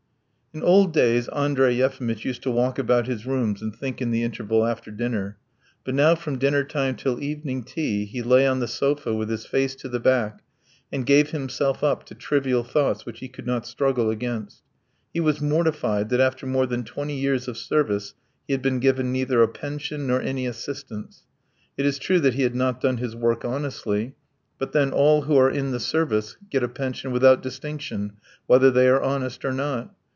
In old days Andrey Yefimitch used to walk about his rooms and think in the interval after dinner, but now from dinner time till evening tea he lay on the sofa with his face to the back and gave himself up to trivial thoughts which he could not struggle against. He was mortified that after more than twenty years of service he had been given neither a pension nor any assistance. It is true that he had not done his work honestly, but, then, all who are in the Service get a pension without distinction whether they are honest or not.